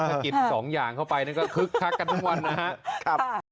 ถ้ากินสองอย่างเข้าไปก็คึกคักกันทุกวันนะครับ